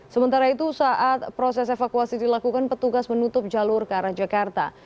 sementara itu saat proses evakuasi dilakukan petugas menutup jalur ke arah jakarta